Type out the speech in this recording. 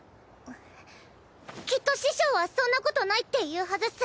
んっきっと師匠はそんなことないって言うはずっス。